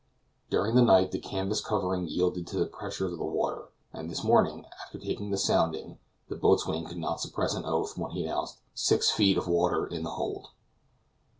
During the night the canvas covering yielded to the pressure of the waves, and this morning, after taking the sounding, the boatswain could not suppress an oath when he announced, "Six feet of water in the hold!"